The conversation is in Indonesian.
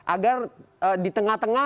agar di tengah tengah